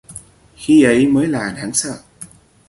khi ấy mới là đáng sợ